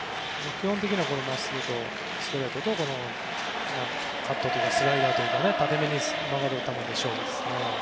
基本的にはストレートとカットというかスライダーというか縦めに曲がる球で勝負ですね。